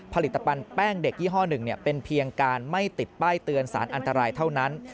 ผลิตภัณฑ์แป้งเด็กยี่ห้อหนึ่งเป็นเพียงการไม่ติดป้ายเตือนสารอันตรายเท่านั้น